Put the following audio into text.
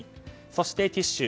そしてティッシュ